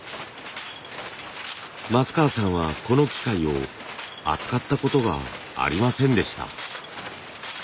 松川さんはこの機械を扱ったことがありませんでした。